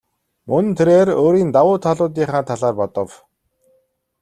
Мөн тэрээр өөрийн давуу талуудынхаа талаар бодов.